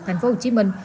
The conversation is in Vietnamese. thành phố hồ chí minh